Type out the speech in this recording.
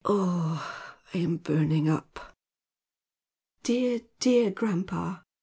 Oh, I am burning up!" "Dear, dear grandpa!"